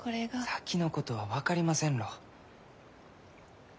先のことは分かりませんろう。